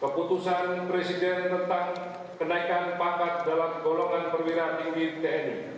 keputusan presiden tentang kenaikan pangkat dalam golongan perwira tinggi tni